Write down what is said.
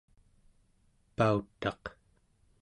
pautaq